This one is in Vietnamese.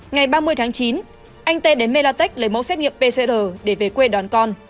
ngày ba mươi tháng chín anh tê đến melatech lấy mẫu xét nghiệm pcr để về quê đón con